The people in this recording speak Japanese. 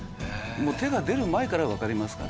もう手が出る前からわかりますから。